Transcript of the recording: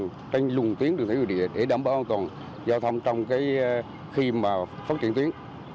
thứ ba là chúng tôi lùng tuyến đường thủy nội địa để đảm bảo an toàn giao thông trong khi phát triển tuyến